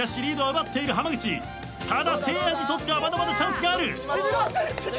ただせいやにとってはまだまだチャンスがある。